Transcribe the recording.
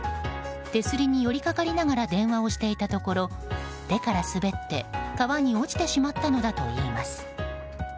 手すりに寄りかかりながら電話をしていたところ手から滑って、川に落ちてしまったのだといいます。